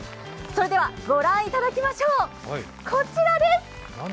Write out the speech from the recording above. それでは御覧いただきましょう、こちらです！